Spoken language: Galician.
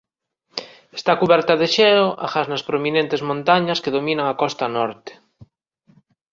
Está cuberta de xeo agás nas prominentes montañas que dominan a costa norte.